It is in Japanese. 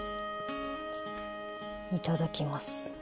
いただきます。